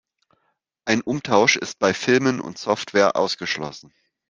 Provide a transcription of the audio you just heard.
Ein Umtausch ist bei Filmen und Software ausgeschlossen.